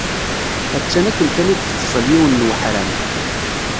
Attan akken kan i d-tfeṣṣel yiwen n weḥram.